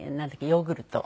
ヨーグルト。